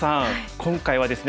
今回はですね